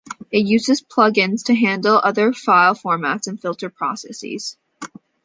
It uses plug-ins to handle other file formats and filter processes.